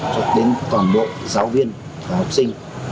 cho đến toàn bộ giáo viên và học sinh